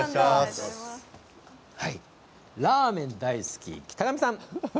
ラーメン大好き北上さん。